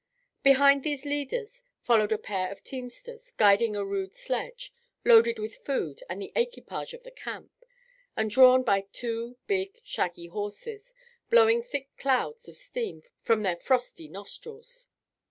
Behind these leaders followed a pair of teamsters, guiding a rude sledge, loaded with food and the equipage of the camp, and drawn by two big, shaggy horses, blowing thick clouds of steam from their frosty nostrils.